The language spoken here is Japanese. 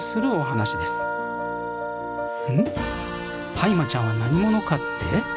ハイマちゃんは何者かって？